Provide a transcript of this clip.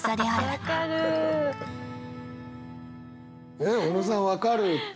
えっ小野さん「分かる」って。